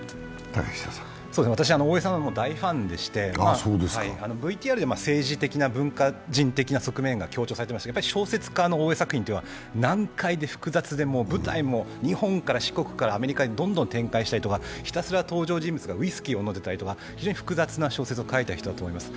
私は大江さんの大ファンでして、ＶＴＲで政治的な、文化人的な側面が強調されていましたけど、小説家の大江作品というのは、難解で、複雑で舞台も日本から四国からアメリカへ展開したりとか、ひたすら登場人物がウイスキーを飲んでいたりとか、非常に複雑な小説を書いていた人だと思います。